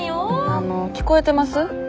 あの聞こえてます？